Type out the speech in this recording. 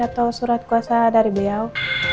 atau surat kuasa dari beliau